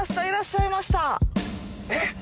えっ？